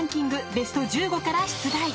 ベスト１５から出題。